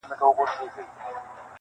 غېږه تشه ستا له سپینو مړوندونو-